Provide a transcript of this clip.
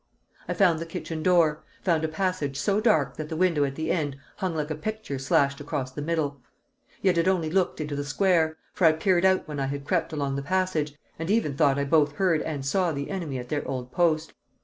I found the kitchen door, found a passage so dark that the window at the end hung like a picture slashed across the middle. Yet it only looked into the square, for I peered out when I had crept along the passage, and even thought I both heard and saw the enemy at their old post.